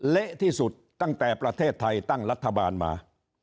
เละที่สุดตั้งแต่ประเทศไทยตั้งรัฐบาลมา